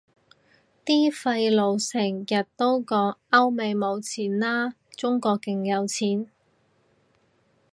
啲廢老成日都講歐美冇錢喇，中國勁有錢